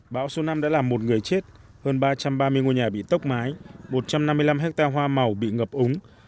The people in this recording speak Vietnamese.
bão số năm đã làm một người chết hơn ba trăm ba mươi ngôi nhà bị tốc mái một trăm năm mươi năm hectare hoa màu bị ngập úng